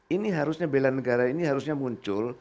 ini harusnya bela negara ini harusnya muncul